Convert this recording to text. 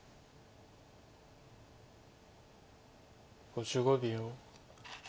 ５５秒。